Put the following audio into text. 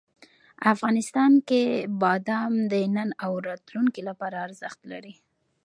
افغانستان کې بادام د نن او راتلونکي لپاره ارزښت لري.